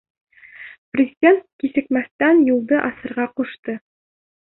Президент кисекмәҫтән юлды асырға ҡушты.